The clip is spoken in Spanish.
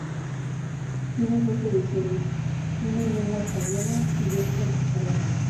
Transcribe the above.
Tiene dos ediciones, una en lengua española y otra en catalán.